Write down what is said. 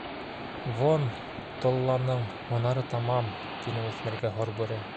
— Вон-толланың һунары тамам... — тине үҫмергә һорбүре.